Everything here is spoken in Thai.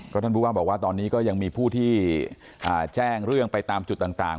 ท่านผู้ว่าบอกว่าตอนนี้ก็ยังมีผู้ที่แจ้งเรื่องไปตามจุดต่าง